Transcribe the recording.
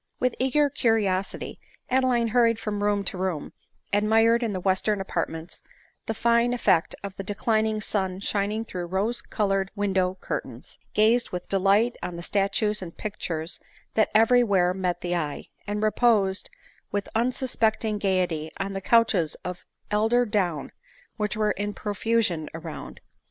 With eager curiosity Adeline hurried from room to room ; admired in the western apartments the fine effect of the declining sun shining through rose colored window curtains ; gazed with delight on the statues and pictures that every where met the eye, and reposed with unsus pecting gaiety on the couches of eider down which were in profusion around.